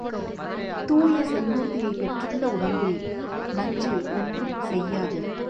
தூய செங்குருதியைப் பெற்றுள்ள உடம்பில் நஞ்சு ஒன்றும் செய்யாது.